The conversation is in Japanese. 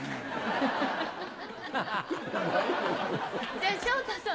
じゃ昇太さん。